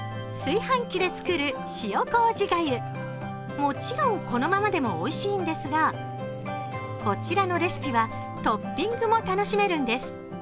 もちろんこのままでもおいしいんですがこちらのレシピはトッピングも楽しめるんです。